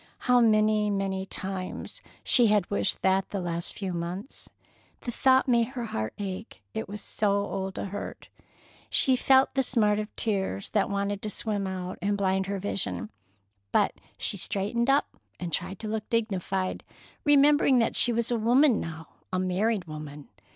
How many, many times she had wished that the last few months! The thought made her heart ache, it was so old a hurt. She felt the smart of tears that wanted to swim out and blind her vision, but she straightened up and tried to look dignified, remembering that she was a woman now—a married woman.